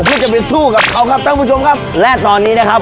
ที่จะไปสู้กับเขาครับท่านผู้ชมครับและตอนนี้นะครับ